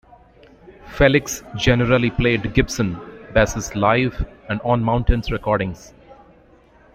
Felix generally played Gibson basses live and on Mountain's recordings.